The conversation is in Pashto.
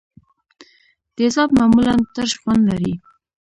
تیزاب معمولا ترش خوند لري.